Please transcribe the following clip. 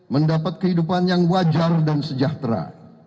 mendapat kehidupan yang wajar dan sejahtera